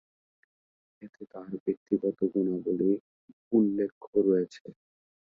এতে তার ব্যক্তিগত গুণাবলির উল্লেখ রয়েছে।